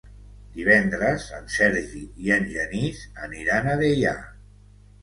Divendres en Sergi i en Genís aniran a Deià.